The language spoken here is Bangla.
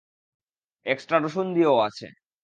এক্সট্রা রসুন দিয়েও আছে।